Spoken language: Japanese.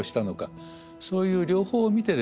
そういう両方を見てですね。